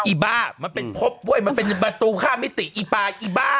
อิบ๊ามันเป็นพบมันเป็นบาตูข้ามนิติอิบ๊า